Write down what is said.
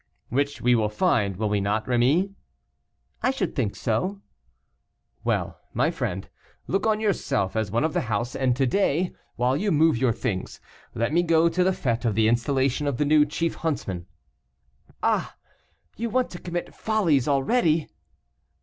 "Which we will find, will we not, Rémy?" "I should think so." "Well, my friend, look on yourself as one of the house, and to day, while you move your things, let me go to the fête of the installation of the new chief huntsman." "Ah! you want to commit follies already."